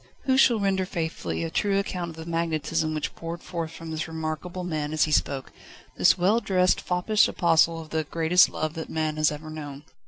Who shall render faithfully a true account of the magnetism which poured forth from this remarkable man as he spoke: this well dressed, foppish apostle of the greatest love that man has ever known.